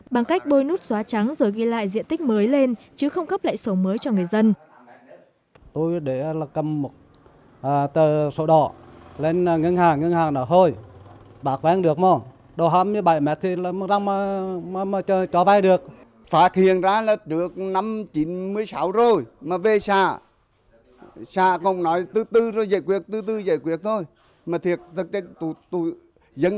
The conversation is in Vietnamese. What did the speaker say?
bằng cách bôi nút xóa trắng rồi ghi lại diện tích mới lên chứ không cấp lại sổ mới cho người dân